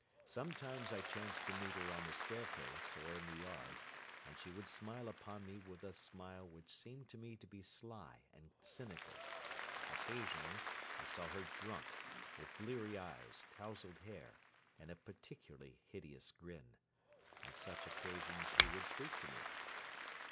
Sometimes I chanced to meet her on the staircase or in the yard, and she would smile upon me with a smile which seemed to me to be sly and cynical. Occasionally, I saw her drunk, with bleary eyes, tousled hair, and a particularly hideous grin. On such occasions she would speak to me.